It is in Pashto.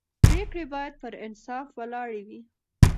پرېکړې باید پر انصاف ولاړې وي